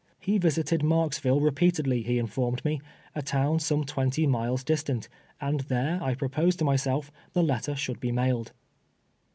lie visited Marks ville repeatedly, he informed me, a town some twenty miles distant, and there, I proposed to myself, the let ter should be mailed.